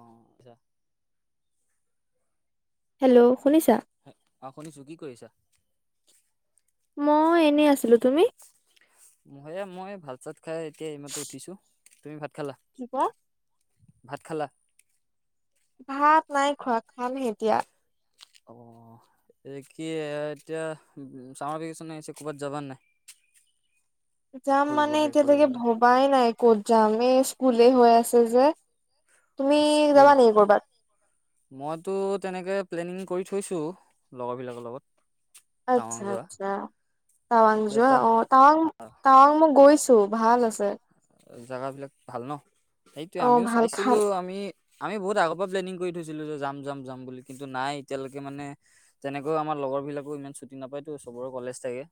অ আচছা হেল্ল' শুনিছা হয়, আপুনি স্বিগী কৰিছা? মই এনেই আছিলো তুমি? মহে মই ভাত চাত খাই এতিয়া এইমাত্ৰ উঠিছো তুমি ভাত খালা? কি কোৱা? ভাত খালা? ভাত নাই খোৱা, খানহে এতিয়া। অ কি এতিয়া চামাৰ ভেকেচন হৈছে। ক'বাত যাবা নাই? [inaudible] যাম মানে ঘূৰিবলে এতিয়ালৈকে কৰিবলে ভবাই নাই ক'ত যাম, এই স্কুল হৈ আছে যে। তুমি অঁ স্কুল। যাবা নেকি কৰ'বাত? মইতো তেনেকে প্লেনিং কৰি থৈছোঁ, লগৰ বিলাকৰ লগত। টাৱাং আচ্ছা যোৱা আচ্ছা, তাৱাং এতিয়া নোযোৱা। তা অ তাৱাং তাৱাং মই গৈছোঁ। ভাল আছে। জেগাবিলাক ভাল ন, সেইটোৱে অ আমিও ভাল খাল চাইছিলোঁ আমি। আমি বহুত আগৰ পৰা প্লেনিং কৰি থৈছিলো, যে যাম যাম যাম বুলি কিন্তু নাই এতিয়ালৈকে মানে তেনেকৈও আমাৰ। লগৰ বিলাকে ইমান ছুটি নাপায়তো চবৰে কলেজ থাকে।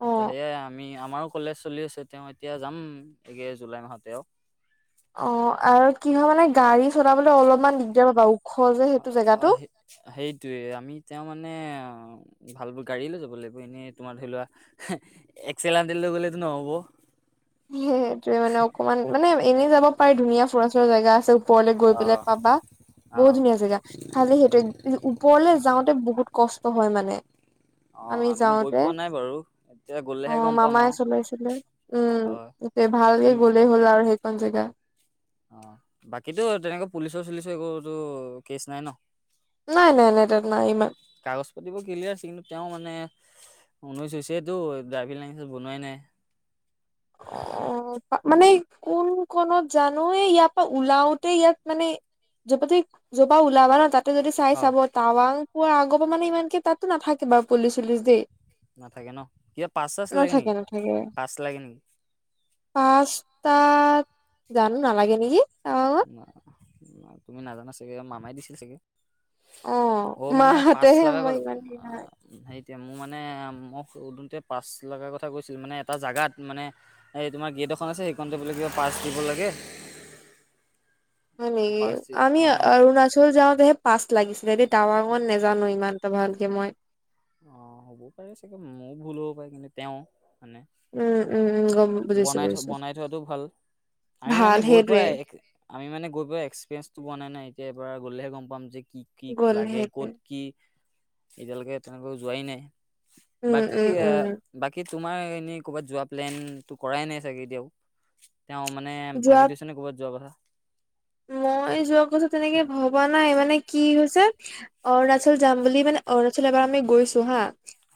অ ত সেয়াই আমি আমাৰো কলেজ চলি আছে তেওঁ এতিয়া যাম। এই জুলাই মাহতে আৰু। অ আৰু কি হয় মানে গাড়ী চলাবলৈ অলপমান দিগদাৰ পাবাও। অ সেইটোয়ে, আমি তেওঁ মানে অ ভাল গাড়ী লৈ যাব লাগিব, এনেই তোমাৰ ধৰি লোৱা একেল লৈ গলেতো নহ'ব। সেইটোয়ে মানে অকণমান। মানে এনেই যাব পাৰি ধুনীয়া ফুৰা চুৰা জেগা আছে। ওপৰলৈ গৈ অ। পেলাই পাবা। অ বহুত ধুনীয়া জেগা খালি সেইটোৱে ওপৰলৈ যাওঁতে বহুত কষ্ট হয় মানে। [inaudible] অ', আমি গৈ পোৱা নাই বাৰু। এতিয়া অ গ'লেহে গম পাম আৰু। হয় তাতে ভালকৈ তুমি গ'লেই হ'ল, আৰু সেইখন জেগা। অ', বাকীতো তেনেকৈ পুলিচৰ-চুলিচৰ একোতো কেচ নাই ন? নাই নাই নাই তাত নাই ইমান কাগজ-পাতিবোৰ ক্লিয়াৰ আছে, কিন্তু তেওঁ মানে, ঊনৈছ হৈছে তো, ড্ৰাইভিং লাইচেঞ্চ বনোৱাই নাই। অ', মানে কোনখনত জানো, এই ইয়াৰ পৰা ওলাওঁতে ইয়াত মানে। [inaudible] য'ৰ পৰা ওলাব ন, তাত ত যদি চাই হয়, চাব, টাৱাং পোৱাৰ আগৰ পৰা মানে, ইমানকে তাতো নাথাকে বাৰু পুলিছ-চুলিছ দেই। নাথাকে ন, ইয়াত পাছ- চাছ লাগে নেকি? পাছ লাগে নেকি? পাছ তাত জানো নালাগে নেকি? টাৱাঙত ন, তুমি নাজানা, চাগে মামাই দিছিল চাগে। অ অ', মানে পাছ মাহঁতেহে লগা মই ইমান হেৰি নহয় সেই এতিয়া মোৰ মানে, মই সোধোঁতে পাছ লগা কথা কৈছিল, মানে এটা জেগাত, মানে এ তোমাৰ [inaudible] দিব লাগে। হয় নেকি, পাছ দি আমি অ', অৰুণাচল যাওঁতেহে পাছ লাগিছিলে দেই, টাৱাঙত নেজানো ইমান। মই। অ', হ'বও পাৰে, চাগে মোৰ ভুল হ'ব পাৰে, কিন্তু তেওঁ। মানে উম-, উম-, উম, গম বুজিছোঁ, বনাই থ বুজিছোঁ। বনাই থোৱাটো ভাল আমি মানে গৈ পোৱা, আমি মানে গৈ পোৱা এক্সপিৰিয়েঞ্চ টো পোৱা নাই না। এতিয়া পৰা গ'লেহে গম পাম যে কি কি গ'ল লাগে, সেইটোৱে ক'ত কি, এতিয়ালৈকে। তেনেকৈ যোৱাই নাই, উম বাকী উম এ উম বাকী তোমাৰ এনেই কোৱাত যোৱা প্লেনটো কৰাই নাই চাগে এতিয়াও। তেওঁ মানে যোৱা ভাবি থৈছেনে ক'ৰবাত যোৱাৰ কথা? মই যোৱা কথা তেনেকে ভবা নাই। মানে, কি হৈছে, অৰুণাচল যাম বুলি মানে। অৰুণাচল এবাৰ আমি গৈছোঁ, হা।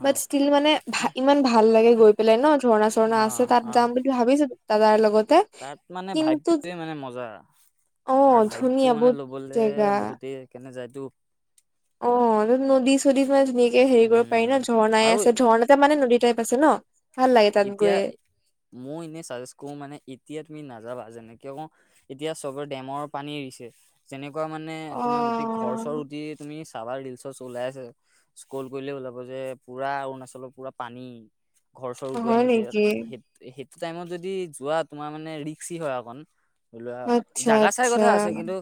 অ বাট ষ্টীল মানে, ভা, ইমান ভাল লাগে গৈ পেলাই। ন, অ ঝৰ্ণা-ঝৰ্ণা আছে, তাত অ যাম বুলি ভাবিছিলোঁ। দাদাৰ লগত। তাত মানে, ভাইবটোৱে মানে মজা। অ তাৰ ধুনীয়া ভাইবটো, মানে, বহুত ল'বলৈ জেগা বহুতেই কেনে যায়তো। [inaudible] অ' নদী-চদী মানে ধুনীয়াকৈ হেৰি কৰিব উম পাৰি উম ন? ঝৰ্ণাই আৰু আছে, ঝৰ্ণা এটা মানে নদী টাইপ আছে ন? ভাল লাগে তাত এতিয়া গৈয়ে মই এনেই চাজেষ্ট কৰোঁ, মানে এতিয়া তুমি নাযাবা যেনেকৈ কিয় কও, এতিয়া চবৰে ডেমৰ পানী এৰিছে যেনে মানে, অ তোমাৰ গোটেই ঘৰ-চৰ উটি, তুমি চাবা, ৰিলচ ওলাই আছে। স্ক্ৰল কৰিলে ওলাব যে, পুৰা অৰুণাচলৰ পুৰা পানী। ঘৰ-চৰ উদুৱাই হয় নিছে। ইয়াত নেকি সেই সেইটো টাইমত যদি যোৱা, তোমাৰ মানে ৰিক্সি হয় অকণ। আচ্ছা জাগা চাই আচ্ছা কথা আছে, কিন্তু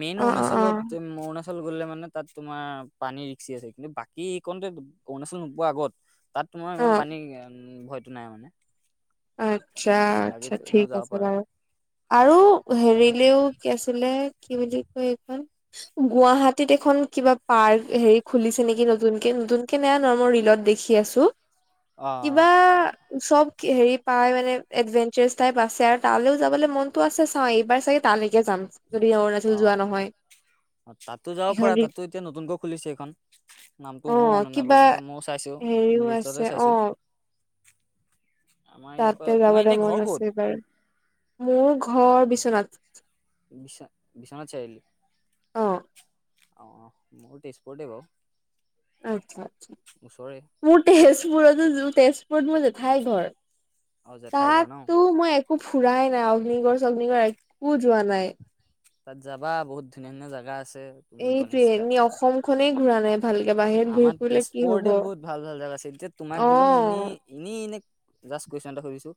মেইন অ অ অ অৰুণাচলত অৰুণাচল অৰুণাচল গ'লে মানে, তাত তোমাৰ পানী ৰিক্সি আছে, কিন্তু বাকী এইকনতে অৰুণাচল নোপোৱা আগত তাত তোমাৰ অ ইমান পানী ভয়তো নাই মানে। আচ্ছা, বাকী আচ্ছা, তেনেও ঠিক যাব আছে পাৰা। বাৰু। আৰু হেৰিলেও কি আছিলে? কি বুলি কয়, এইখন গুৱাহাটীত এখন কিবা পাৰ্ক হেৰি খুলিছে নেকি নতুনকে? নতুনকে নে, ন মই ৰিলত দেখি আছোঁ, অ কিবা চব হেৰি। পাই মানে এডভেঞ্চাৰ টাইপ আছে, আৰু তালৈও যাবলৈ মনটো আছে। চাওঁ, এইবাৰ চাগে তালৈকে যাম। যদি অৰুণাচল যোৱা অ', নহয় অ', তাতো যাব পৰা। এইখন তাতো এতিয়া নতুনকৈ খুলিছে এইখন। নামটো অ মোৰ মন নাই, বাৰু কিবা কিন্তু ময়ো চাইছোঁ, হেৰিও ৰিলচতে আছে অ চাইছোঁ। তাতে তোমাৰ এনে যাবলৈ ঘৰ মন ক'ত আছে বাৰু মোৰ ঘৰ বিশ্বনাথ। বিছ বিশ্বনাথ চাৰিআলি? অ', অ', মোৰ তেজপুৰতে বাৰু। আচ্ছা, আচ্ছা, ওচৰে মোৰ তেজপুৰতো, তেজপুৰত মই জেথাইৰ ঘৰ। অ জেঠাই ঘৰ ন তাততো মই একো ফুৰাই নাই অগ্নিগড়- সগ্নিগড় এক [unintelligible] কো যোৱা নাই। তাত যাবা বহুত ধুনীয়া-ধুনীয়া জাগা আছে তুমি এইটোৱে, গণেশ ঘাট এনেই অসম খনে ঘূৰা নাই। ভালকে বাহিৰত ঘূৰি আমাৰ ফুৰিলে কি হব তেজপুৰতে বহুত ভাল ভাল জেগা আছিল, এতিয়া তোমাক অ ধৰি লও, মই ইনে ইনে জাষ্ট কুৱেশ্যন এটা সুধিছো,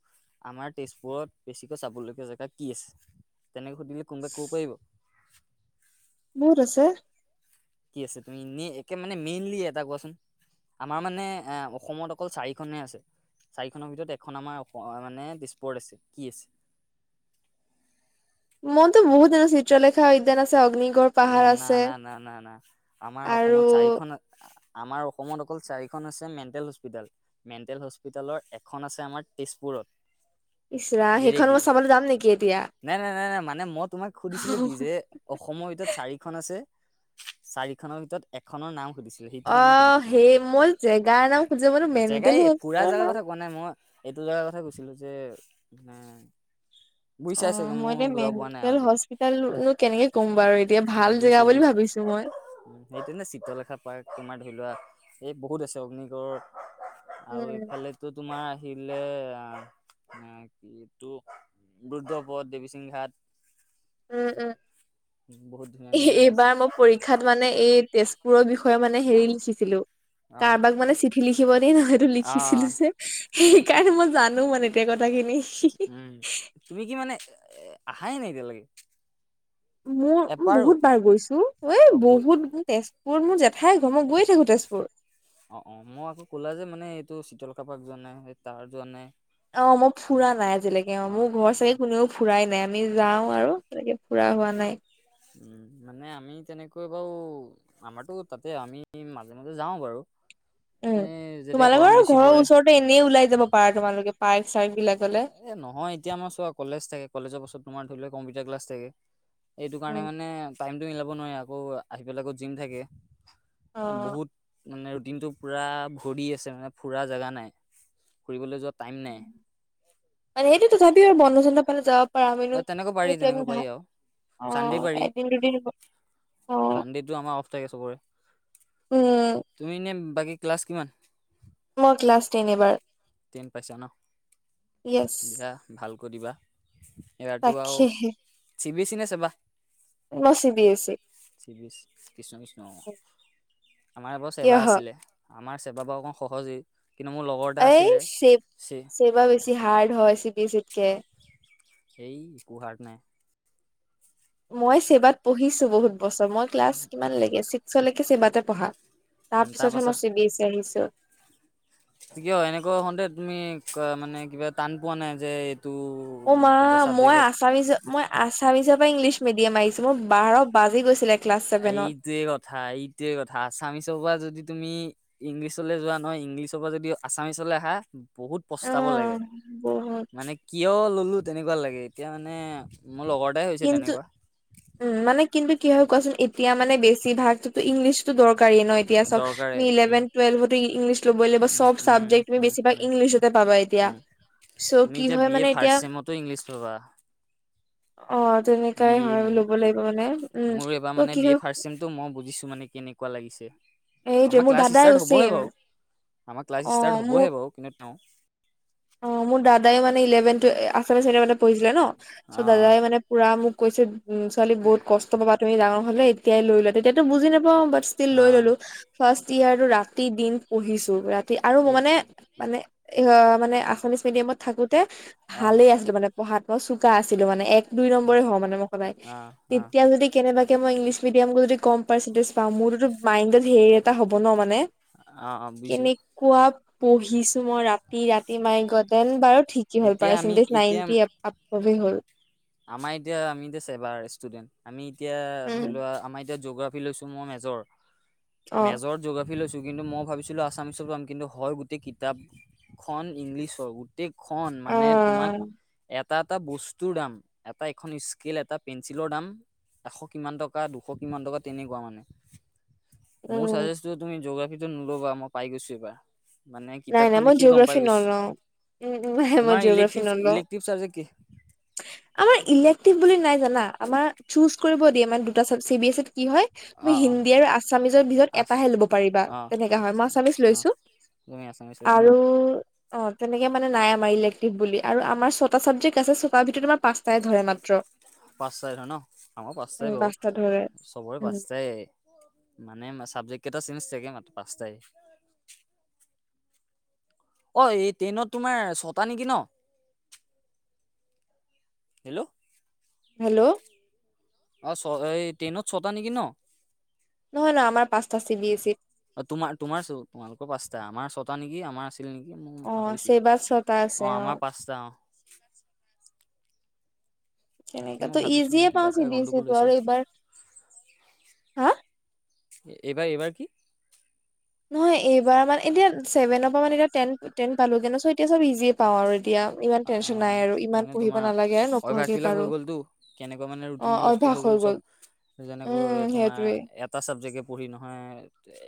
আমাৰ তেজপুৰত বেছিকৈ চাবলগীয়া জেগা কি আছে? তেনেকৈ সুধিলে কোনোবাই ক'ব পাৰিব? বহুত আছে। কি আছে, তুমি একে মানে, মেইনলি এটা কোৱাচোন। আমাৰ মানে, এ অসমত অকল চাৰিখনে আছে। চাৰিখনৰ ভিতৰত এখন আমাৰ অ মানে তেজপুৰত আছে। কি আছে? [inaudible] মোৰতো বহু দিন চিত্ৰলেখা উদ্যান আছে অগ্নিগড় পাহাৰ উম, ন আছে না না না না আমাৰ আৰু অসমত চাৰিখন আমাৰ অসমত অকল চাৰিখন হৈছে মেণ্টেল হস্পিতেল, মেণ্টেল হস্পিতেলৰ এখন আছে আমাৰ তেজপুৰ ঘৰত ইচৰা, সেইখন মই চাবলৈ যাম নেকি এতিয়া। নাই নাই নাই নাই মানে মই তোমাক সুধিছিলোঁ কি, যে অসমৰ এতিয়া চাৰিখন আছে, চাৰিখনৰ ভিতৰত এখনৰ নাম সুধিছিলো সেইটো কাৰণে অ', সুধিছো তোমাক সেই মোৰ জেগাৰ জেগাই ফুৰা নাম জেগাৰ [unintelligible] কথা কোৱা নাই মই এইটো জেগাৰ কথা কৈছিলো যে উম অ', মই এতিয়া মেন্তেল এতিয়া হস্পিতেলনো কেনেকে ক'ম, বাৰু এতিয়া উম ভাল বুজিছো জেগা বুলি বুজিছো ভাবি ছো, মই [unintelligible] চিত্ৰলেখা পাৰ্ক তোমাৰ ধৰি লোৱা এই বহুত আছে, অগ্নিগড় আৰু উম এইফালেতো তোমাৰ ফিলে [unintelligible] বুদ্ধপথ, দেৱীসিংঘাট উম, উম, ধুনীয়া ধুনীয়া জেগা আছে এইবাৰ মই পৰীক্ষাত মানে এই তেজপুৰৰ বিষ মই মানে হেৰি লিখিছিলোঁ, অ কাৰবাক মানে চিঠি লিখিব দিয়ে নহয়, অ লিখিছিলোঁ যে সেইকাৰণে মই জানোঁ মানে এতিয়া কথাখিনি। উম, তুমি কি মানে এ আহাই নে এতিয়ালৈকে? মোৰ এপাৰো বহুত বাৰ গৈছো। এ অ গৈ বহুত তেজ কোন মোৰ জেঠাই ঘৰ, মই গৈয়ে থাকো তেজপুৰ। অ', অ', মই আকৌ ক'লা যে মানে এইটো চিতল কাপাক যোৱা নাই তাৰ যোৱা নাই। অ', মই ফুৰা নাই আজিলৈকে, অ', মোৰ ঘৰ চাগে কোনেও ফুৰাই নাই, আমি যাওঁ আৰু তেনেকে ফুৰা অ অ হোৱা নাই। উম, মানে আমি তেনেকৈ বাৰু আমাৰটো তাতে আমি মাজে, মাজে যাওঁ বাৰু। উম, এ যেতিয়া তোমালোকৰ গৰম আৰু বেছি ঘৰৰ পৰে ওচৰতে এনেই ওলাই যাব পাৰা তোমালোকে পাৰ্ক-চাৰ্ক বিলাক। এ নহয় এতিয়া আমাৰ চোৱা কলেজ থাকে। কলেজৰ পাছত তোমাৰ ধৰি লওক কম্পিউটাৰ ক্লাছ থাকে। এইটো কাৰণে উম মানে টাইমটো মিলাব নোৱাৰি, আকৌ আহি পেলাই আকৌ জিম থাকে। অ এ, বহুত মানে ৰুটিনটো পুৰা ভৰি আছে মানে ফুৰা জেগা নাই, ফুৰিবলৈ যোৱা টাইম নাই। আজিকালি তথাপিও আৰু বন্ধ-সন্ধ পালে যা পৰা [unintelligible] এ অ', তেনেকৈ পাৰি তেনেকৈ পাৰি আৰু চানডে পাৰি এদিন- দুদিন হব চানডেটো আমাৰ অফ থাকে চবৰে। উম তুমি এনে বাকী ক্লাছ কিমান? মই ক্লাছ টেন এইবাৰ। টেন পাইছা ন। য়েছ দিয়া ভালকৈ দিবা। এইবাৰতো আৰু তাকেহে। চি বি এচি নে, ছেবা? মছিবীৰ কৃষ্ণ কৃষ্ণ আমাৰ আকৌ চেৱা কিয় আছিলে আমাৰ চেবাবা অকণ সহজেই কিন্তু মোৰ লগৰ এটা আছিল এই চেবা বেছি হাৰ্ড হয় চিবিএচিত কে সেই একো হাৰ্ড নাই মই চেবাত পঢ়িছো বহুত বছৰ মই ক্লাছ কিমানলৈকে ছিক্সলৈকে ছেবাতে পঢ়া উম, তাৰ তাৰ পিছতহে পাছত মই চিবিএছ ই আহিছো কিয় এনেকুৱা হওঁতে তুমি মানে কিবা টান পোৱা নাই যে অ মা কিবা মই চাবজেক্টত আছামিছ মই আছামিছত ইংলিছ মিডিয়াম আহিছো মোৰ বাৰ বাজি গৈছিলে ক্লাছ ছেভেনত। এইটোয়ে কথা এইটোয়ে কথা আছামিছৰ পৰা যদি তুমি ইংলিছলৈ যোৱা নহয় ইংলিছৰ পৰা যদি আছামিছলৈ আহা বহুত প্ৰস্তাব অহ লাগে বহুত মানে কিয় ললো তেনেকুৱা লাগে এতিয়া মানে মোৰ লগৰ এটাই হৈছে কিন্তু তেনেকুৱা উ মানে কিন্তু কি হয় কোৱাচোন এতিয়া মানে বেছি ভাগ ইংলছটোৰ দৰকাৰ দৰকাৰী ন এতিয়া চাওক দৰকাৰে তুমি ইলেভেন উম টুৱেলভটো ইংলিছ লবই লাগিব উম চব উম উম চাবজেকতে উম বেছিভাগ উম ইংলিছতে পা বঢ়াব এতিয়া উম, চ' তুমি কি এতিয়া হয় বি এ মানে ফাৰ্ষ্ট এতিয়া চেমতো ইংলিছ লবা অ বি তেনেকাই এ হয় মানে ল'ব লাগিব মানে উম মোৰ এবাৰ ত মানে কি বিএ হয় ফাৰ্ষ্ট চেম টো মই বুজিছো মানে কেনেকুৱা লাগে এইটোৱে আমাৰ মোৰ ক্লাছ দাদাইও ষ্টাৰ্ট হবহে ছেম বাৰু আমাৰ ক্লাছ অ ষ্টাৰ্ট মোৰ হবহে বাৰু ন অ মোৰ দাদাই মানে ইলেভেন টো আচামিজ মেডিয়ামতে পঢ়িছিলে ন চ' অ', দাদাই মানে পুৰা মোক কৈছে উ ছোৱালী বহুত কষ্ট পাবা তুমি ডাঙৰ হলে এতিয়াই লৈ লোৱা তেতিয়াতো বুজি নাপা অ ব ষ্টিল লৈ অ', ললো ফাৰ্ষ্ট ইয়াৰটো ৰাতি দিন পঢ়িছো ৰাতি আৰু এই মানে মানে এ মানে আছামিছ মিডিয়ামত থাকোতে অ', ভালে আছিলো মানে বহাত মই চোকা আছিলো মানে এক দুই নম্বৰে হ মানে মই সদায় অ', অ', তেতিয়া যদি কেনেবাকে কে মই ইংলিছ মিডিয়াম যদি কম পাৰ্চেন্টেজ পা মোৰতো মাইণ্ডত হেৰি এটা হ'ব ন মানে। অ', অ', বুজিছো কেনেকুৱা পঢ়িছো মই ৰাতি- ৰাতি মাই গড দেন বাৰু। ঠিক হ'ল এতিয়া আমি পাৰ্চেণ্টেজ এতিয়া নাইনটি আপ হে হ'ল। আমাৰ এতিয়া আমি এতিয়া চেবাৰ ষ্টুডেণ্ট আমি এতিয়া ধৰি লোৱা আমাৰ এতিয়া জিয়'গ্ৰাফি লৈছো মই মেজৰ অ -মেজৰ জিয়'গ্ৰাফ ফি লৈছো কিন্তু মই ভাবিছিলো আছামিছত পাম কিন্তু হয় গোটেই কিতাপখন ইংলিছৰ গোটেই। খন অ মানে তোমাক এ এটা- এটা বস্তুৰ দাম এটা এখন স্কেল এটা পেঞ্চিলৰ দাম। এশ কিমান টকা দুশ কিমান টকা তেনেকুৱা মানে। মোৰ উম চাজেষ্ট তুমি জোগ্ৰাফিটো নলবা মই পাই গৈছো এইবাৰ। মানে নাই - নাই কিতাপখন মই দেখিয়ে গম পাই জিঅ'গ্ৰাফি গৈছোঁ নলও। উম, নে মই তোমাৰ জিঅগ্ৰাফি ইলেক্টিভ নলও ইলেক্টিভ চাবজেক্ট কি আমাৰ ইলেক্টিভ বুলি নাই জানা। আমাৰ চুজ কৰিব দিয়ে মানে দুটা চাব চি বি এছ ইত। কি হয় অ তুমি অ হিন্দী আৰু আছামিজৰ ভিতৰত আছ এটাহে লব পাৰিবা অ তেনেকা হয় মই আচ্ছা আছামিজ অ লৈছো। তুমি আছামিছ লৈছা ন আৰু অ, তেনেকে মানে নাই আমাৰ ইলেক্টিভ বুলি আৰু আমাৰ ছটা ছাবজেকট আছে তাৰ ভিতৰত তোমাৰ পাচটাহে ধৰে মাত্ৰ। পাচ টা লয় ন আমাৰো পাচটাই উম বাৰু পাঁচটা ধৰে চবৰে উম পাচটায় মানে চাবজেক্ট কেইটা চেঞ্জ থাকে মাত্ৰ পাচটাই অ, এই টেইনত তোমাৰ ছটা নেকি ন। হেল্ল', হেল্ল', অ, চ এই টেইনত ছটা নেকি ন। নহয় নহয় আমাৰ পাঁচটা চি বি এছ ইত অ, তোমাৰ তোমাৰ চো তোমালোকৰ পাচটা আমাৰ চটা। টা নেকি আমাৰ আছিল নেকি মই অ পাহৰিছো চেবাত ছটা অ, আছে আমাৰ পাচটা অ, তাকে তেনেকা মই তো ভাবিছো ইজিয়ে মোৰ কিবা পাচ এটা দিছো গণ্ডগোল হৈছে আৰু এইবাৰ হা। এইবাৰ - এইবাৰ কি? নহয় এইবাৰ মানে এতিয়া চছেভেনৰ পৰা মান এতিয়া তেন টেন পালোগে ন চ। এতিয়া চব ইজিয় পাও আৰু এতিয়া ইমান আ, আ, টেনশন নাই আৰু ইমান মানে পঢ়িব তোমাৰ নালাগে আৰু নপঢ়াকে অভ্যাসবিলাক হৈ পাৰো। গ'লতো কেনেকুৱা মানে ৰুটিন বিলাক হৈ গ'ল চব যেনেকৈ উম তোমাৰ সেইটোৱে এটা চাবজেক্ট। পঢ়ি নহয়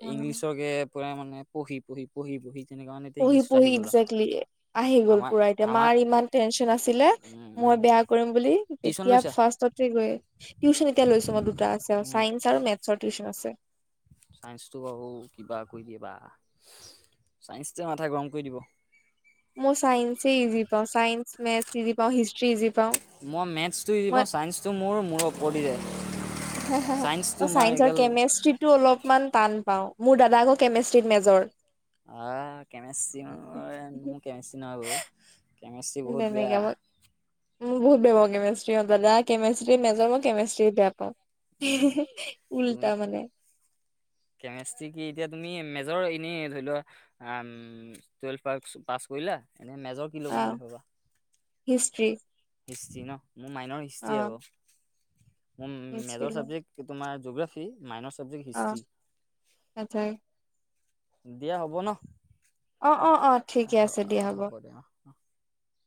অ ইংলিছকে পই মানে পঢ়ি - পঢ়ি - পঢ়ি - পঢ়ি। তেনেকুৱা মানে এতিয়া পহ - ইংলিছত পহ আহি গ'লা একজেক্টলী। আহি গ'ল আমাৰ পুৰা এতিয়া আমাৰ মাৰ ইমান টেনচন আছিলে উম উম মই বেয়া কৰিম বুলি টিউচন তেতিয়া লৈছা ফাৰ্ষ্টত। টিউচন এতিয়া লৈছো মই দুটা আছে উম চাইন্স আৰু মেথছৰ টিউশচন আছে। চাইন্সটো বু কিবা কৰি দিয়িবা ছাইঞ্চতে মাথা গৰম কৰি দিব। মই চাইন্স ইজি পাও ছাইন্স মেথ ইজি পাও হিষ্ট ই পাও। মই মেথছটো চাইন্সটো মোৰ - মোৰ ওপৰত যায়। হ- হা চাইন্সটো মই চাইন্স আৰু এইগাল কেমেষ্ট্ৰিতো অলপমান টান পাও মোৰ দাদা আকৌ কেমেষ্ট্ৰিত মেজৰ আহ, কেমিষ্ট্ৰি ম কেমিষ্ট্ৰি ন গ কেমিষ্ট্ৰি বহুত বেয়া। ম বহুত বেয়াও কেমেষ্ট্ৰী - কেমেষ্ট্ৰীৰ মেজৰ মই কেমেষ্ট্ৰী পাও। উম, তুমি কেমেষ্ট্ৰি কি এতিয়া তুমি এনে ধৰি লোৱা টুৱেলভ প - পাছ কৰিলা। এনেই মেজৰ কি ল'ম বুলি ভবা। হিষ্টষ্ট্ৰী হিষ্টি ন মোৰ মাইনৰ হিষ্ট্ৰী হ মোৰ হিষ্ট্ৰী মেজৰ চাবজেক্ট তোমাৰ জিগ্ৰাফী মাইনচ আহ, সটাই দিয়া হ'ব ন অ অ অ ঠিকে আছে দিয়া হ'ব [inaudible]